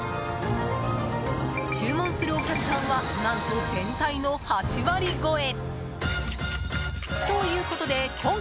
注文するお客さんは何と全体の８割超え。